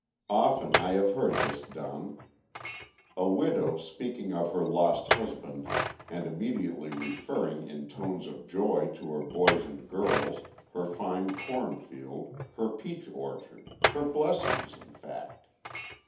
Often have I heard this done. A widow speaking of her lost husband, and immediately referring in tones of joy to her boys and girls, her fine corn field, her peach orchard, her blessings, in fact.